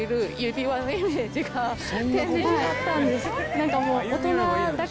何かもう。